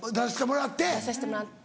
出さしてもらって。